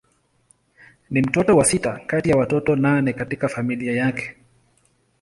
Ni mtoto wa sita kati ya watoto nane katika familia yake.